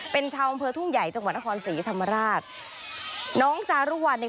เป็นชาวอำเภอทุ่งใหญ่จังหวัดนครศรีธรรมราชน้องจารุวัลเนี่ย